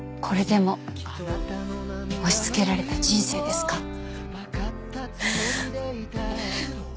これでも押しつけられた人生ですか？